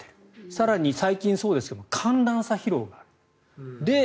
更に、最近そうですが寒暖差疲労がある。